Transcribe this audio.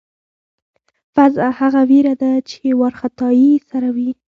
فذع هغه وېره ده چې وارخطایی ورسره وي.